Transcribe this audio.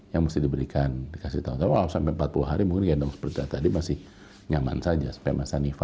jangan lupa untuk berlangganan